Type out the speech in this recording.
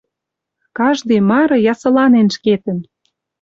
Каждый мары ясыланен ӹшкетӹн